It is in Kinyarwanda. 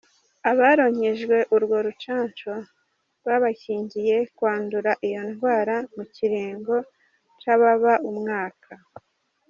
Abaronkejwe urwo rucanco rwabakingiye kwandura iyo ngwara mu kiringo cababa umwaka.